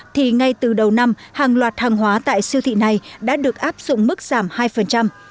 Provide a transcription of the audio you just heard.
thì ngay từ đầu năm hàng loạt hàng hóa tại siêu thị này đã được áp dụng mức giảm hai